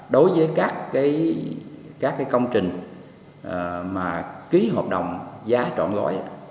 đối với các công trình mà ký hợp đồng giá trọn gói